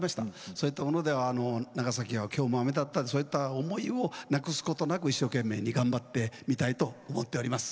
そういったものでは「長崎は今日も雨だった」そういった思いをなくすことなく一生懸命に頑張ってみたいと思っております。